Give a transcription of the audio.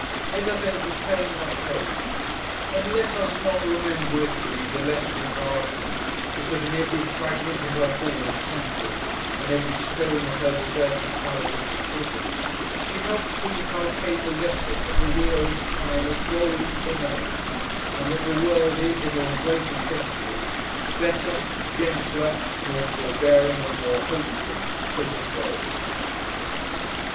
Let us entertain that hope! And let us not remember Italy the less regardfully, because, in every fragment of her fallen Temples, and every stone of her deserted palaces and prisons, she helps to inculcate the lesson that the wheel of Time is rolling for an end, and that the world is, in all great essentials, better, gentler, more forbearing, and more hopeful, as it rolls!